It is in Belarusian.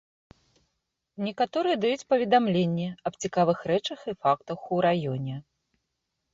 Некаторыя даюць паведамленні аб цікавых рэчах і фактах у раёне.